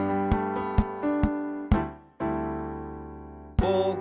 「ぼく」